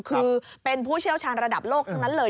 คือเป็นผู้เชี่ยวชาญระดับโลกทั้งนั้นเลย